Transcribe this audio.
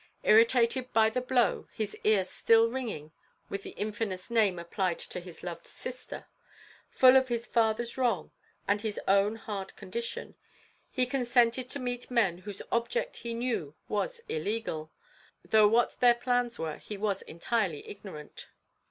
Irritated by the blow his ear still ringing with the infamous name applied to his loved sister full of his father's wrong, and his own hard condition, he consented to meet men whose object he knew was illegal; though what their plans were he was entirely ignorant.